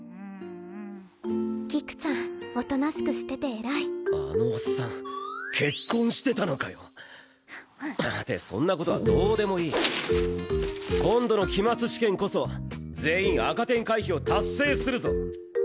菊ちゃんおとなしくしてて偉いあのおっさん結婚してたのかよってそんなことはどうでもいい今度の期末試験こそ全員赤点回避を達成するぞ